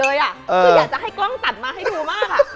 คืออยากจะให้กล้องตัดมาให้ดูมาก